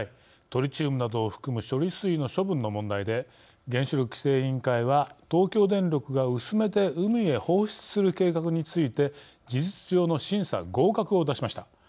トリチウムなどを含む処理水の処分の問題で原子力規制委員会は東京電力が薄めて海へ放出する計画について事実上の審査合格を出しました。